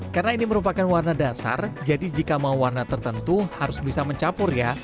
karena ini merupakan warna dasar jadi jika mau warna tertentu harus bisa mencapur ya